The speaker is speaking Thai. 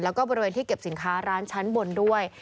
แล้วก็บริเวณที่เก็บสินค้าร้านชั้นบนด้วย